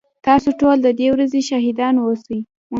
تاسو ټول ددې ورځي شاهدان اوسئ